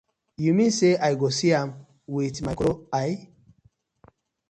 Yu mean say I go see am wit my koro eye?